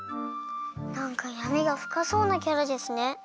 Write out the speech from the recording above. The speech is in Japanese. なんかやみがふかそうなキャラですね。